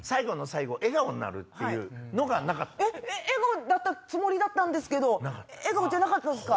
笑顔だったつもりですけど笑顔じゃなかったですか。